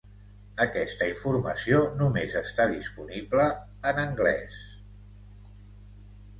Aquesta informació només està disponible en anglès.